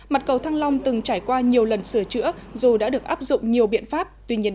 mặt cầu thăng long từng trải qua nhiều lần sửa chữa dù đã được áp dụng nhiều biện pháp